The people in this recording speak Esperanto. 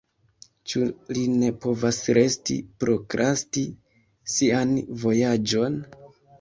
Ĉu li ne povas resti, prokrasti sian vojaĝon?